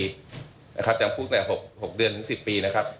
จำคุกตั้งแต่๖เดือนถึง๑๐ปีนะครับ